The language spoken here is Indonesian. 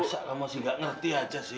masa kamu sih nggak ngerti aja sih